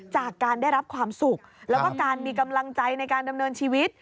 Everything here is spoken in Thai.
จากการได้รับความสุขแล้วก็การมีกำลังใจในการดำเนินชีวิต